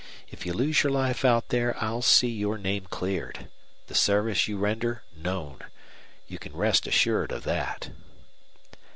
If you lose your life out there I'll see your name cleared the service you render known. You can rest assured of that."